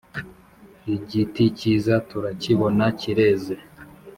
Igiti kiza turakibona kireze